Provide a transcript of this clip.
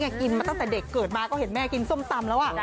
กินมาตั้งแต่เด็กเกิดมาก็เห็นแม่กินส้มตำแล้ว